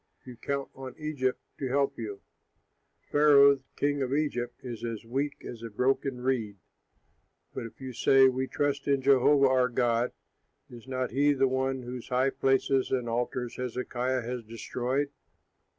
You count on Egypt to help you. Pharaoh, king of Egypt, is as weak as a broken reed. But if you say, 'We trust in Jehovah our God,' is not he the one whose high places and altars Hezekiah has destroyed?